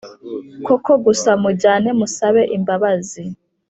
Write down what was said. koko gusa mujyane musabe imbabazi